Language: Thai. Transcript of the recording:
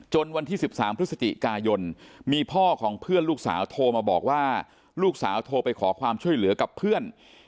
วันที่๑๓พฤศจิกายนมีพ่อของเพื่อนลูกสาวโทรมาบอกว่าลูกสาวโทรไปขอความช่วยเหลือกับเพื่อน